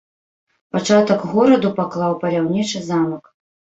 Пачатак гораду паклаў паляўнічы замак.